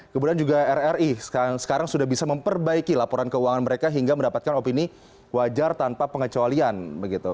kemudian juga rri sekarang sudah bisa memperbaiki laporan keuangan mereka hingga mendapatkan opini wajar tanpa pengecualian begitu